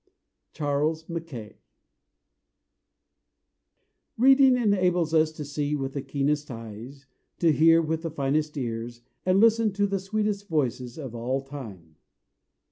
Charles Mackay Reading enables us to see with the keenest eyes, to hear with the finest ears, and listen to the sweetest voices of all time.